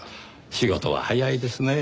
仕事が早いですねぇ。